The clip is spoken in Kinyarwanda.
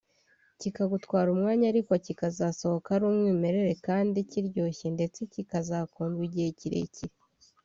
kikagutwara umwanya ariko kikazasohoka ari umwimerere kandi kiryoshye ndetse kikazakundwa igihe kirekire”